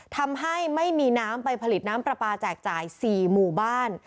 ทำให้ไม่มีน้ำไปผลิตน้ำปลาปลาแจกจ่าย๔หมู่บ้าน